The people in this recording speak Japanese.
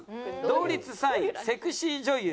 同率３位セクシー女優